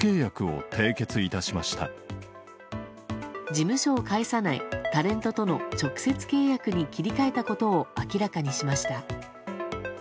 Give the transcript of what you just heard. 事務所を介さないタレントとの直接契約に切り替えたことを明らかにしました。